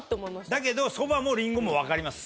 だけどそばもリンゴもわかります。